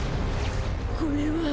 これは。